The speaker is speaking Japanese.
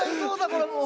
これもう。